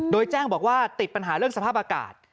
โดยแจ้งบอกว่าติดปัญหาเรื่องสภาพอากาศ